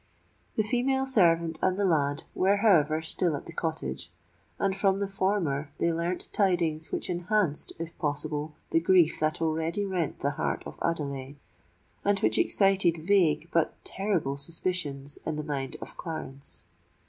The female servant and the lad were, however, still at the Cottage; and from the former they learnt tidings which enhanced, if possible, the grief that already rent the heart of Adelais, and which excited vague but terrible suspicions in the mind of Clarence.